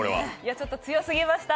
ちょっと強すぎました。